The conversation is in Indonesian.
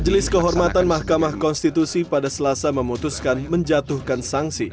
majelis kehormatan mahkamah konstitusi pada selasa memutuskan menjatuhkan sanksi